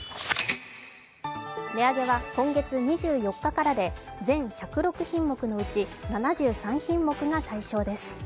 値上げは今月２４日からで全１０６品目のうち７３品目が対象です